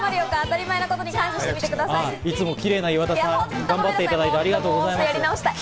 いつもキレイな岩田さん、頑張ってもらって、ありがとうございます。